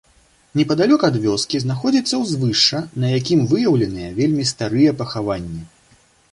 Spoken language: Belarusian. Непадалёк ад вёскі знаходзіцца ўзвышша, на якім выяўленыя вельмі старыя пахаванні.